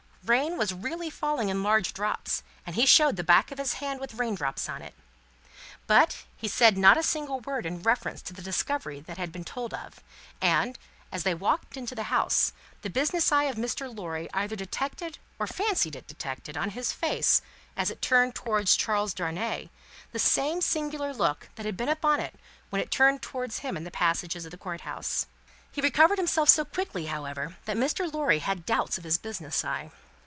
Rain was really falling in large drops, and he showed the back of his hand with rain drops on it. But, he said not a single word in reference to the discovery that had been told of, and, as they went into the house, the business eye of Mr. Lorry either detected, or fancied it detected, on his face, as it turned towards Charles Darnay, the same singular look that had been upon it when it turned towards him in the passages of the Court House. He recovered himself so quickly, however, that Mr. Lorry had doubts of his business eye.